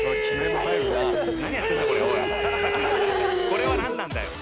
これはなんなんだよ。